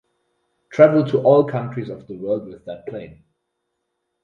Travel to all countries of the world with that plane.